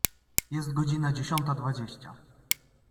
Jest godzina dziesiąta dwadzieścia.